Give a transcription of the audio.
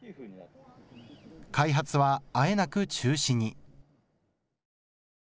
開発はあえなく中止に。